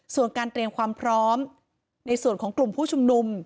ส่วนการเตรียมความพร้อมในส่วนของกลุ่มผู้ชุมนุม